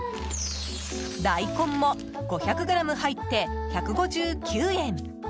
大根も、５００ｇ入って１５９円。